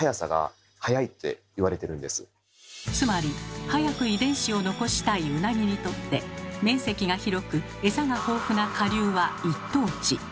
つまり早く遺伝子を残したいウナギにとって面積が広くエサが豊富な下流は一等地。